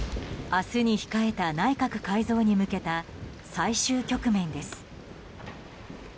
明日に控えた内閣改造に向けた最終局面です。